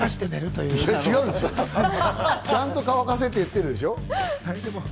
違う違う、ちゃんと乾かしてるって言ってるでしょ。